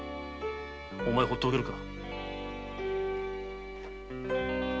お前ほうっておけるか？